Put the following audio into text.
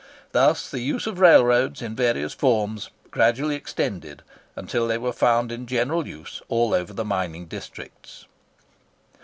Thus the use of railroads, in various forms, gradually extended, until they were found in general use all over the mining districts.